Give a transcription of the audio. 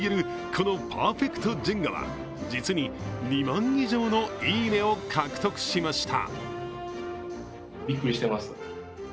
このパーフェクトジェンガは実に２万以上のいいねを獲得しました。